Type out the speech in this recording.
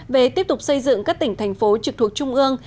về tiếp tục xây dựng các tỉnh thành phố trực thuộc trung ương